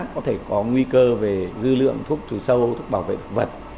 có thể có nguy cơ về dư lượng thuốc trừ sâu thuốc bảo vệ thực vật